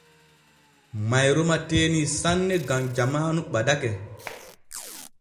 Mayroma teenii saane gam jamaanu ɓadake.